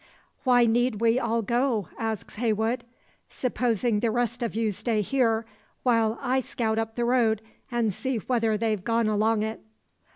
"Why need we all go?" asks Heywood. "Supposing the rest of you stay here, while I scout up the road, and see whether they've gone along it."